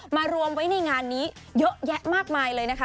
มารวมไว้ในงานนี้เยอะแยะมากมายเลยนะคะ